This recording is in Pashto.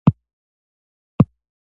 د کابل په کلکان کې د ګرانیټ نښې شته.